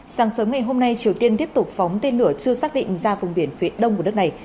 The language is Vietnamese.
sáng sớm ngày hôm nay triều tiên tiếp tục phóng tên lửa chưa xác định ra vùng biển phía đông của đất này